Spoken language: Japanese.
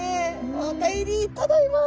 「お帰り」「ただいま」。